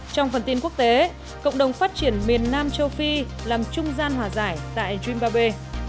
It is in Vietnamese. trong phần tin quốc tế cộng đồng phát triển miền nam châu phi làm trung gian hòa giải tại zimbabwe